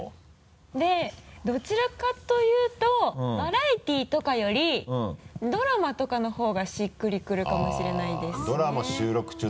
でどちらかというとバラエティーとかよりドラマとかの方がしっくりくるかもしれないですねあっ